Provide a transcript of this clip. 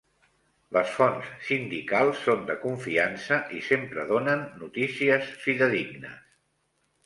Les fonts sindicals són de confiança i sempre donen notícies fidedignes.